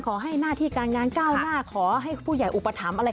ขอให้หน้าที่การงานก้าวหน้าขอให้ผู้ใหญ่อุปถัมภ์